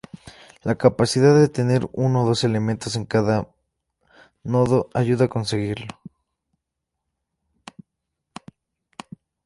La capacidad de tener uno o dos elementos en cada nodo ayuda a conseguirlo.